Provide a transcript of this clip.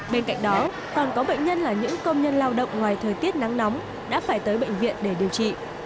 bên cạnh đó còn có bệnh nhân là những công nhân lao động ngoài thời tiết nắng nóng đã phải tới bệnh viện để điều trị